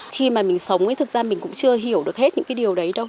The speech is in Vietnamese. khi mà mình sống thì thực ra mình cũng chưa hiểu được hết những cái điều đấy đâu